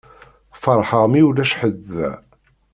Ferḥeɣ imi ulac ḥedd da.